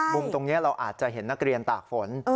มุมตรงนี้เราอาจจะเห็นนักเรียนตากฝน